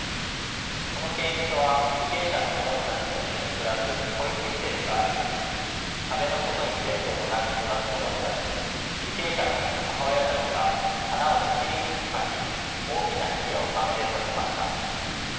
この刑務所は受刑者の子供たちも一緒に暮らす保育施設があり壁の外に出ることなく育つ子供たちに受刑者の母親たちが花を一輪ずつ描き大きな壁画を完成させました。